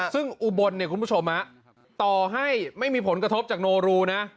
ซึ่งอุบลเนี่ยคุณผู้ชมต่อให้ไม่มีผลกระทบจากโนรูนะ